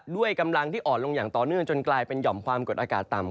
ด้วยกำลังที่อ่อนลงอย่างต่อเนื่องจนกลายเป็นหย่อมความกดอากาศต่ำ